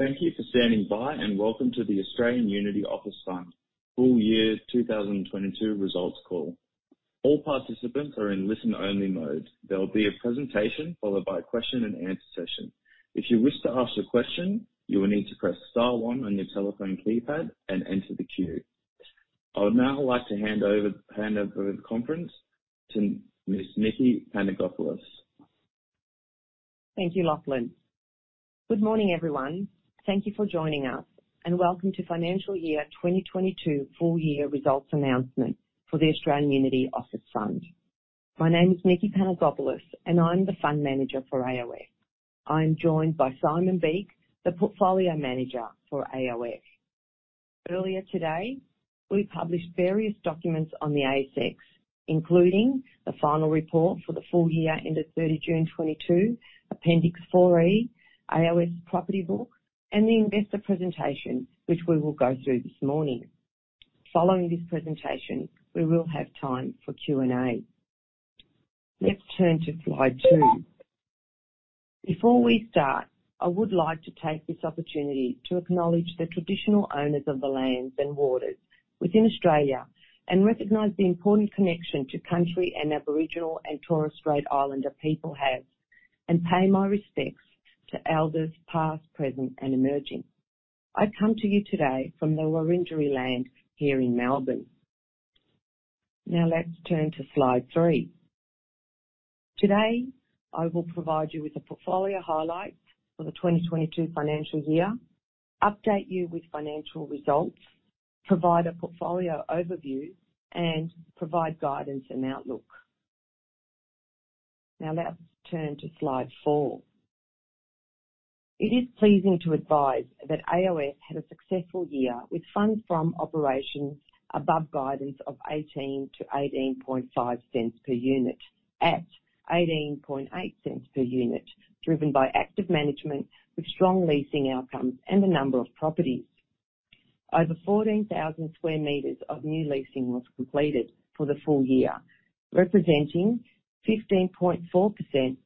Thank you for standing by, and welcome to the Australian Unity Office Fund full year 2022 results call. All participants are in listen-only mode. There will be a presentation followed by a question and answer session. If you wish to ask a question, you will need to press star one on your telephone keypad and enter the queue. I would now like to hand over the conference to Ms. Nikki Panagopoulos. Thank you, Lachlan. Good morning, everyone. Thank you for joining us, and welcome to financial year 2022 full year results announcement for the Australian Unity Office Fund. My name is Nikki Panagopoulos, and I'm the Fund Manager for AOF. I am joined by Simon Beake, the Portfolio Manager for AOF. Earlier today, we published various documents on the ASX, including the final report for the full year end of 30 June 2022, Appendix 4E, AOF property book, and the investor presentation, which we will go through this morning. Following this presentation, we will have time for Q&A. Let's turn to slide two. Before we start, I would like to take this opportunity to acknowledge the traditional owners of the lands and waters within Australia and recognize the important connection to country and Aboriginal and Torres Strait Islander people have, and pay my respects to elders past, present, and emerging. I come to you today from the Wurundjeri land here in Melbourne. Now let's turn to slide three. Today, I will provide you with the portfolio highlights for the 2022 financial year, update you with financial results, provide a portfolio overview, and provide guidance and outlook. Now let's turn to slide four. It is pleasing to advise that AOF had a successful year, with funds from operations above guidance of 0.18-0.185 per unit, at 0.188 per unit, driven by active management with strong leasing outcomes and the number of properties. Over 14,000 sq m of new leasing was completed for the full year, representing 15.4%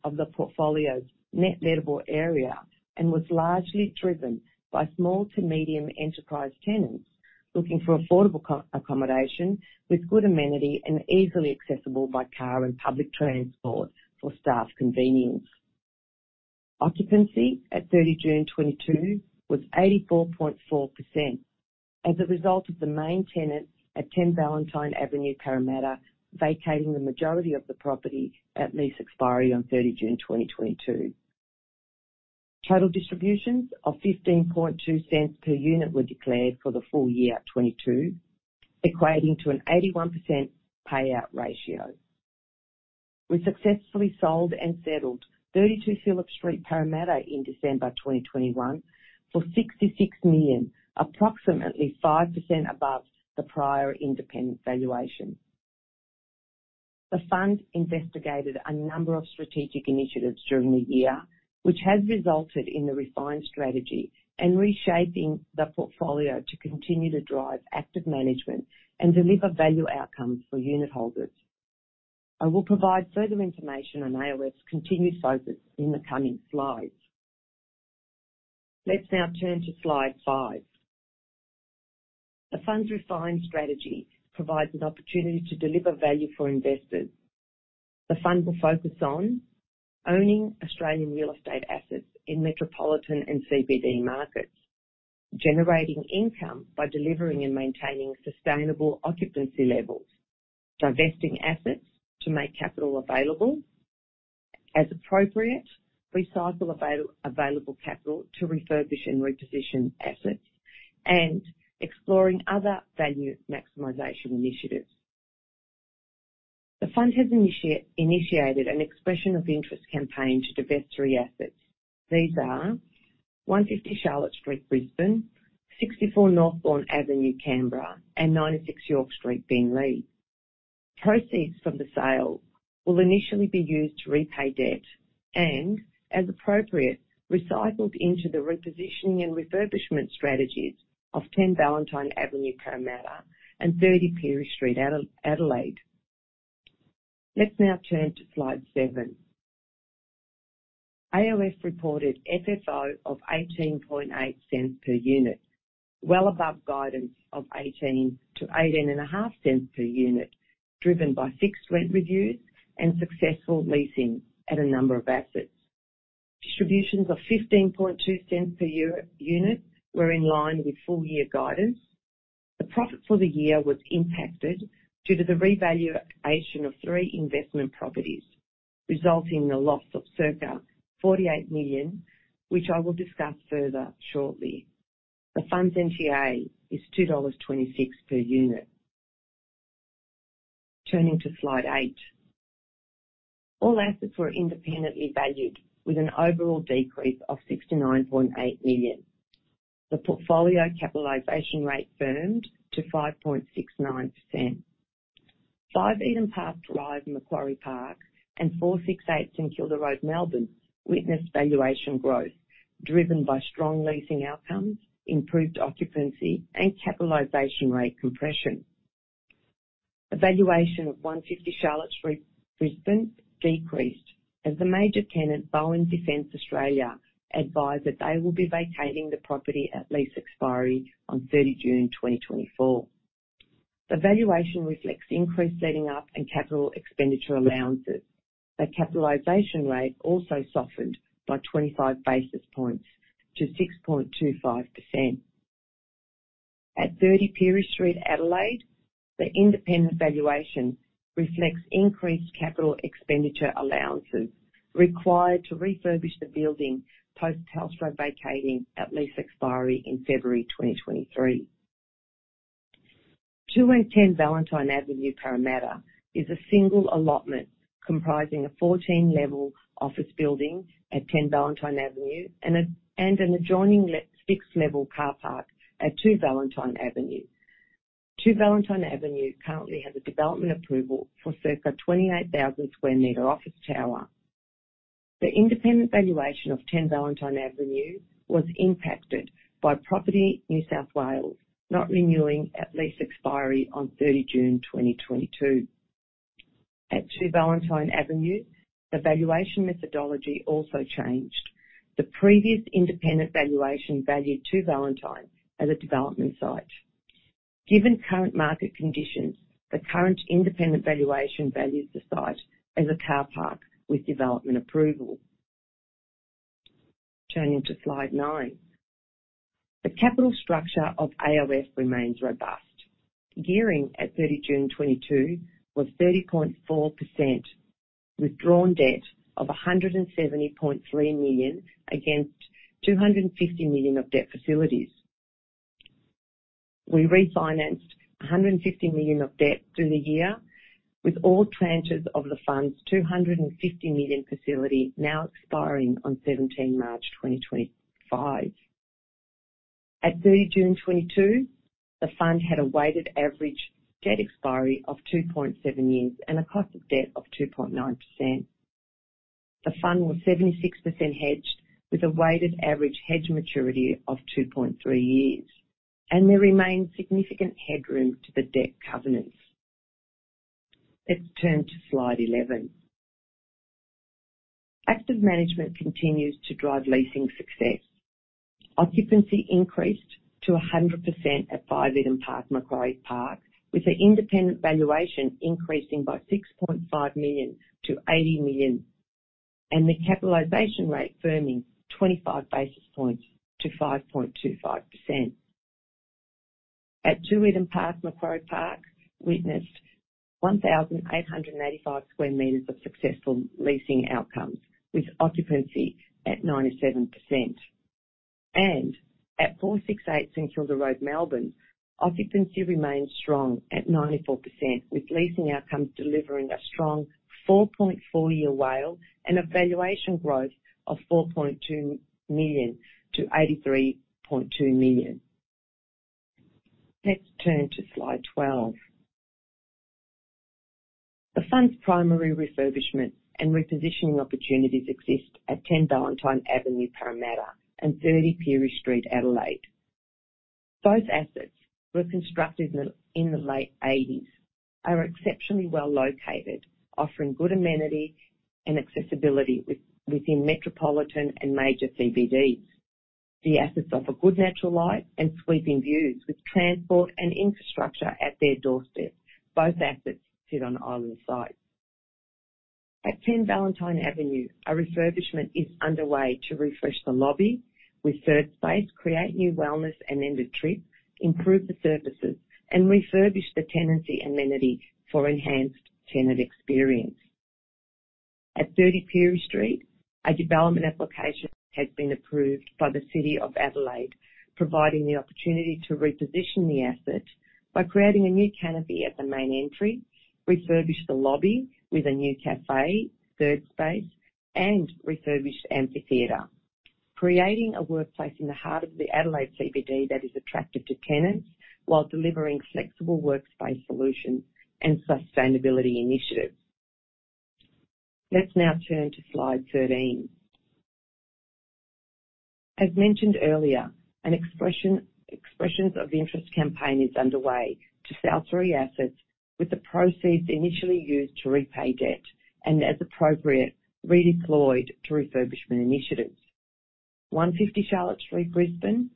of the portfolio's net lettable area and was largely driven by small to medium enterprise tenants looking for affordable co-accommodation with good amenity and easily accessible by car and public transport for staff convenience. Occupancy at 30 June 2022 was 84.4% as a result of the main tenant at 10 Valentine Avenue, Parramatta, vacating the majority of the property at lease expiry on 30 June 2022. Total distributions of 0.152 per unit were declared for the full year 2022, equating to an 81% payout ratio. We successfully sold and settled 32 Phillips Street, Parramatta in December 2021 for 66 million, approximately 5% above the prior independent valuation. The fund investigated a number of strategic initiatives during the year, which has resulted in the refined strategy and reshaping the portfolio to continue to drive active management and deliver value outcomes for unit holders. I will provide further information on AOF's continued focus in the coming slides. Let's now turn to slide five. The fund's refined strategy provides an opportunity to deliver value for investors. The fund will focus on owning Australian real estate assets in metropolitan and CBD markets, generating income by delivering and maintaining sustainable occupancy levels, divesting assets to make capital available as appropriate, recycle available capital to refurbish and reposition assets, and xploring other value maximization initiatives. The fund has initiated an expression of interest campaign to divest three assets. These are 150 Charlotte Street, Brisbane, 64 Northbourne Avenue, Canberra, and 96 York Street, Beenleigh. Proceeds from the sale will initially be used to repay debt and, as appropriate, recycled into the repositioning and refurbishment strategies of 10 Valentine Avenue, Parramatta, and 30 Pirie Street, Adelaide. Let's now turn to slide seven. AOF reported FFO of 0.188 per unit, well above guidance of 0.18-0.185 per unit, driven by fixed rent reviews and successful leasing at a number of assets. Distributions of 0.152 per unit were in line with full year guidance. The profit for the year was impacted due to the revaluation of three investment properties, resulting in a loss of circa 48 million, which I will discuss further shortly. The fund's NTA is AUD 2.26 per unit. Turning to slide eight. All assets were independently valued with an overall decrease of 69.8 million. The portfolio capitalization rate firmed to 5.69%. 5 Eden Park Drive, Macquarie Park, and 468 St. Kilda Road, Melbourne, witnessed valuation growth driven by strong leasing outcomes, improved occupancy, and capitalization rate compression. The valuation of 150 Charlotte Street, Brisbane decreased as the major tenant, Boeing Defence Australia, advised that they will be vacating the property at lease expiry on 30 June 2024. The valuation reflects increased setting up and capital expenditure allowances. The capitalization rate also softened by 25 basis points to 6.25%. At 30 Pirie Street, Adelaide, the independent valuation reflects increased capital expenditure allowances required to refurbish the building post Telstra vacating at lease expiry in February 2023. 2 and 10 Valentine Avenue, Parramatta, is a single allotment comprising a 14-level office building at 10 Valentine Avenue and an adjoining six-level car park at 2 Valentine Avenue. 2 Valentine Avenue currently has a development approval for circa 28,000 square meter office tower. The independent valuation of 10 Valentine Avenue was impacted by Property and Development NSW not renewing at lease expiry on 30 June 2022. At 2 Valentine Avenue, the valuation methodology also changed. The previous independent valuation valued 2 Valentine as a development site. Given current market conditions, the current independent valuation values the site as a car park with development approval. Turning to slide nine. The capital structure of AOF remains robust. Gearing at 30 June 2022 was 30.4%, with drawn debt of 170.3 million against 250 million of debt facilities. We refinanced 150 million of debt through the year, with all tranches of the fund's 250 million facility now expiring on 17 March 2025. At 30 June 2022, the fund had a weighted average debt expiry of 2.7 years and a cost of debt of 2.9%. The fund was 76% hedged, with a weighted average hedge maturity of 2.3 years. There remains significant headroom to the debt covenants. Let's turn to slide 11. Active management continues to drive leasing success. Occupancy increased to 100% at 5 Eden Park, Macquarie Park, with the independent valuation increasing by 6.5 million to 80 million, and the capitalization rate firming 25 basis points to 5.25%. At 2 Eden Park, Macquarie Park witnessed 1,885 sq m of successful leasing outcomes with occupancy at 97%. At 468 St. Kilda Road, Melbourne, occupancy remains strong at 94%, with leasing outcomes delivering a strong 4.4-year WALE and a valuation growth of 4.2 million to 83.2 million. Let's turn to slide 12. The fund's primary refurbishment and repositioning opportunities exist at 10 Valentine Avenue, Parramatta, and 30 Pirie Street, Adelaide. Both assets were constructed in the late 1980s, are exceptionally well located, offering good amenity and accessibility within metropolitan and major CBDs. The assets offer good natural light and sweeping views with transport and infrastructure at their doorstep. Both assets sit on island sites. At 10 Valentine Avenue, a refurbishment is underway to refresh the lobby with third space, create new wellness and amenity, improve the services, and refurbish the tenancy amenity for enhanced tenant experience. At 30 Pirie Street, a development application has been approved by the City of Adelaide, providing the opportunity to reposition the asset by creating a new canopy at the main entry, refurbish the lobby with a new café, third space, and refurbish the amphitheater. Creating a workplace in the heart of the Adelaide CBD that is attractive to tenants while delivering flexible workspace solutions and sustainability initiatives. Let's now turn to slide 13. As mentioned earlier, expressions of interest campaign is underway to sell three assets with the proceeds initially used to repay debt and, as appropriate, redeployed to refurbishment initiatives. 150 Charlotte Street, Brisbane,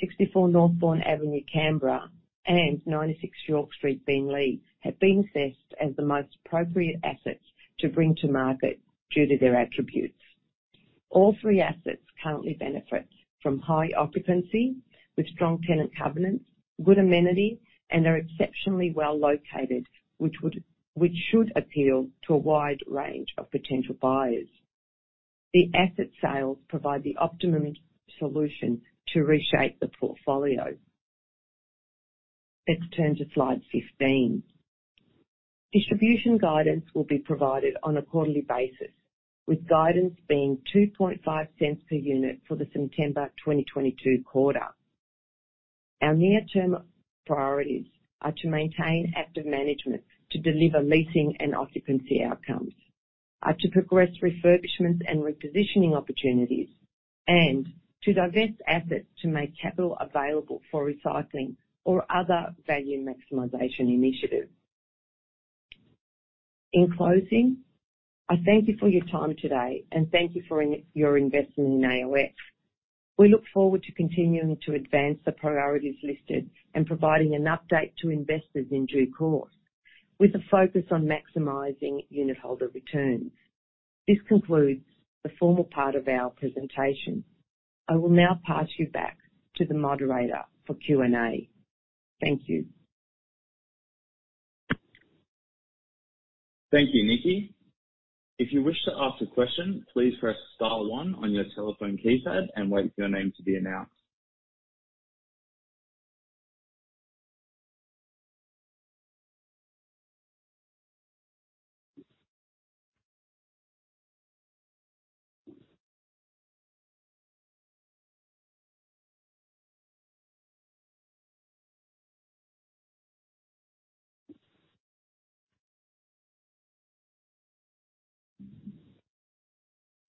64 Northbourne Avenue, Canberra, and 96 York Street, Beenleigh, have been assessed as the most appropriate assets to bring to market due to their attributes. All three assets currently benefit from high occupancy with strong tenant covenants, good amenity, and are exceptionally well located, which should appeal to a wide range of potential buyers. The asset sales provide the optimum solution to reshape the portfolio. Let's turn to slide 15. Distribution guidance will be provided on a quarterly basis, with guidance being 0.025 per unit for the September 2022 quarter. Our near-term priorities are to maintain active management to deliver leasing and occupancy outcomes, are to progress refurbishments and repositioning opportunities and to divest assets to make capital available for recycling or other value maximization initiatives. In closing, I thank you for your time today and thank you for your investment in AOF. We look forward to continuing to advance the priorities listed and providing an update to investors in due course with a focus on maximizing unitholder returns. This concludes the formal part of our presentation. I will now pass you back to the moderator for Q&A. Thank you. Thank you, Nikki. If you wish to ask a question, please press star one on your telephone keypad and wait for your name to be announced.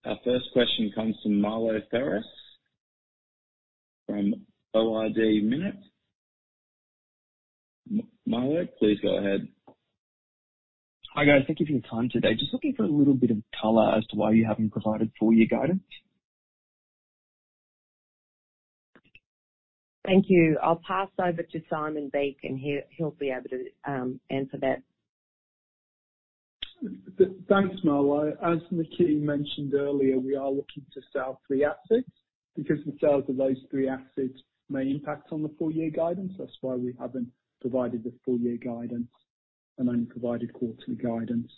Our first question comes from Milo Ferris from Ord Minnett. Milo, please go ahead. Hi, guys. Thank you for your time today. Just looking for a little bit of color as to why you haven't provided full year guidance. Thank you. I'll pass over to Simon Beake, and he'll be able to answer that. Thanks, Milo. As Nikki mentioned earlier, we are looking to sell three assets because the sales of those three assets may impact on the full year guidance. That's why we haven't provided the full year guidance and only provided quarterly guidance.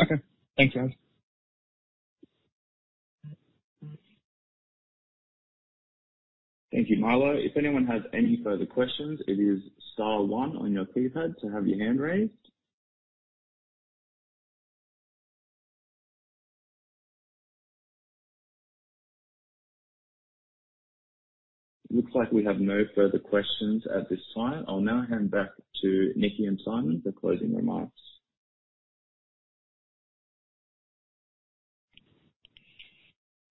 Okay. Thank you, guys. Thank you, Milo. If anyone has any further questions, it is star one on your keypad to have your hand raised. Looks like we have no further questions at this time. I'll now hand back to Nikki and Simon for closing remarks.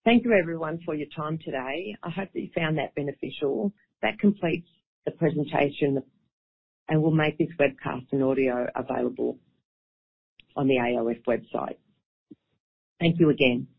Thank you, everyone, for your time today. I hope that you found that beneficial. That completes the presentation, and we'll make this webcast and audio available on the AOF website. Thank you again.